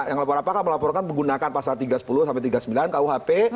yang laporan apakah melaporkan menggunakan pasal tiga puluh tiga puluh sembilan kuhp